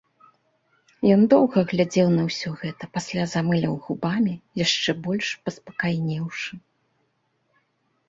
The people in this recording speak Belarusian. Ён доўга глядзеў на ўсё гэта, пасля замыляў губамі, яшчэ больш паспакайнеўшы.